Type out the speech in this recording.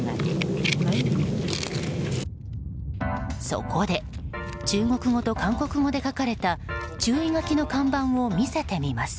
そこで中国語と韓国語で書かれた注意書きの看板を見せてみます。